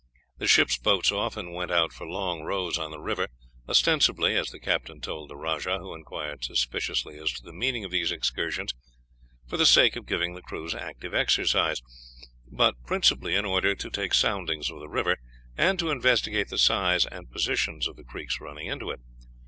The ship's boats often went out for long rows on the river, ostensibly as the captain told the rajah, who inquired suspiciously as to the meaning of these excursions for the sake of giving the crews active exercise, but principally in order to take soundings of the river, and to investigate the size and positions of the creeks running into it.